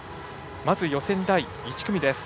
まず予選第１組。